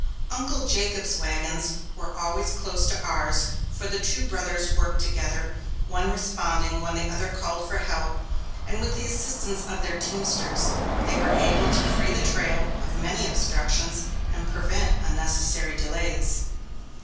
Uncle Jacob's wagons were always close to ours, for the two brothers worked together, one responding when the other called for help; and with the assistance of their teamsters, they were able to free the trail of many obstructions and prevent unnecessary delays.